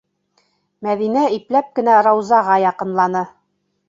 Мәҙинә ипләп кенә Раузаға яҡынланы.